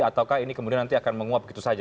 ataukah ini kemudian nanti akan menguap begitu saja